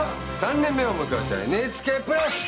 ３年目を迎えたＮＨＫプラス！